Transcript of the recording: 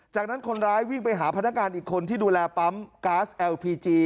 จากนั้นคนร้ายวิ่งไปหาพนักงานอีกคนที่ดูแลปั๊มก๊าซเอลพีจี